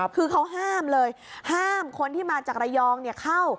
คือเขาห้ามเลยห้ามคนที่มาจากระยองเข้า